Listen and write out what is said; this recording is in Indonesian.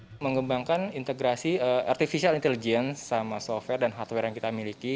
kita mengembangkan integrasi artificial intelligence sama software dan hardware yang kita miliki